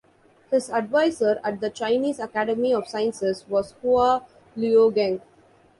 His advisor at the Chinese Academy of Sciences was Hua Luogeng.